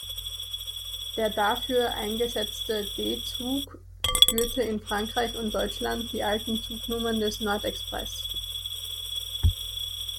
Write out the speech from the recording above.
Der dafür eingesetzte D-Zug führte in Frankreich und Deutschland die alten Zugnummern des Nord-Express.